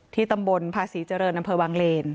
ตำบลภาษีเจริญอำเภอวังเลน